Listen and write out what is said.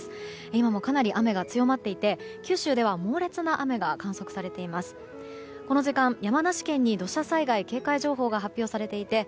今もかなり雨が強まっていて九州では猛烈な雨が観測されています。